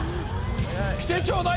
きてちょうだい！